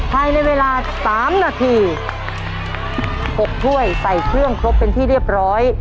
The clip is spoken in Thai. ภายในเวลา๓นาที๖ถ้วยใส่เครื่องครบเป็นที่เรียบร้อย